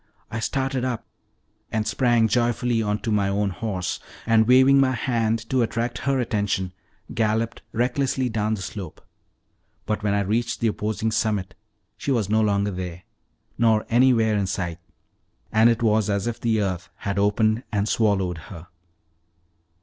I started up, and sprang joyfully onto my own horse, and waving my hand to attract her attention, galloped recklessly down the slope; but when I reached the opposing summit she was no longer there, nor anywhere in sight, and it was as if the earth had opened and swallowed her.